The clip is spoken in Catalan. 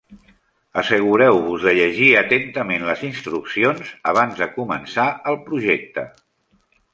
Assegureu-vos de llegir atentament les instruccions abans de començar el projecte.